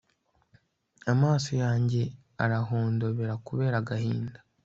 amaso yanjye arahondobera kubera agahinda